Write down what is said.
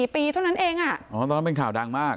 อายุ๑๑๑๔ปีเท่านั้นเองอ่ะอ๋อตอนเป็นข่าวดังมาก